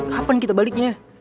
kapan kita baliknya